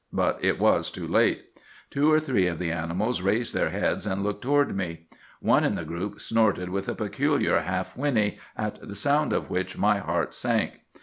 But it was too late. Two or three of the animals raised their heads and looked toward me. One in the group snorted with a peculiar half whinny, at the sound of which my heart sank.